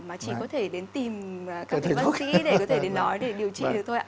mà chỉ có thể đến tìm các bác sĩ để có thể đến nói để điều trị được thôi ạ